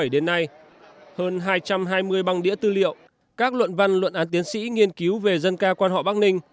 hơn hai trăm hai mươi băng đĩa tư liệu các luận văn luận án tiến sĩ nghiên cứu về dân ca quan họ bắc ninh